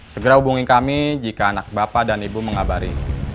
segera hubungi kami jika anak bapak dan ibu mengabari